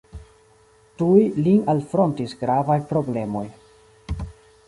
Tuj lin alfrontis gravaj problemoj.